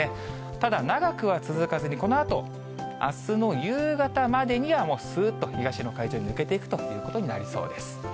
ただ長くは続かずに、このあと、あすの夕方までには、もうすーっと東の海上に抜けていくということになりそうです。